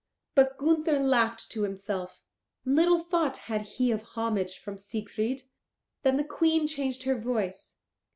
But Gunther laughed to himself. Little thought had he of homage from Siegfried. Then the Queen changed her voice.